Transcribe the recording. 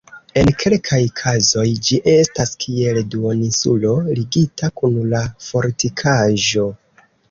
En kelkaj kazoj ĝi estas kiel duoninsulo ligita kun la fortikaĵo.